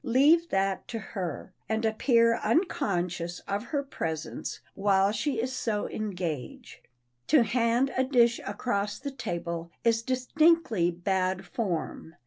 Leave that to her, and appear unconscious of her presence while she is so engaged. To hand a dish across the table is distinctly bad form.